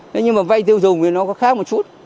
thế nhưng mà vay tiêu dùng thì nó có khác một chút